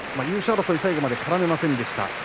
優勝争いに最後まで絡みませんでした。